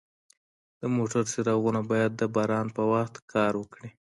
د موټر څراغونه باید د باران په وخت کار وکړي.